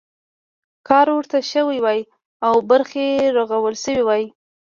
کار ورته شوی وای او برخې رغول شوي وای.